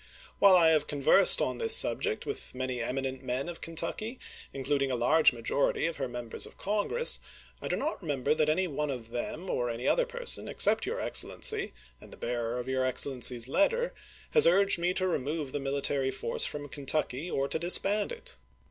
WhUe I have con versed on this subject with many eminent men of Ken tucky, including a large majority of her Members of Congress, I do not remember that any one of them or any other person, except your Excellency and the bearer of your Excellency's letter, has urged me to remove the military force from Kentucky, or to disband it.